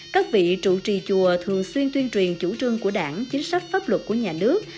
các vị trụ trì chùa thường xuyên tuyên truyền chủ trương của đảng chính sách pháp luật của nhà nước